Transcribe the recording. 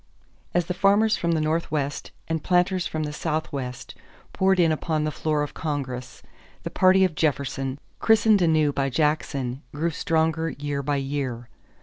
As the farmers from the Northwest and planters from the Southwest poured in upon the floor of Congress, the party of Jefferson, christened anew by Jackson, grew stronger year by year.